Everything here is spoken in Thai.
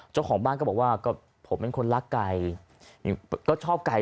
เจ้าของบ้านก็บอกว่าก็ผมเป็นคนรักไก่ก็ชอบไก่